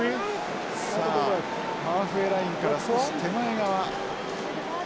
さあハーフウェーラインから少し手前側。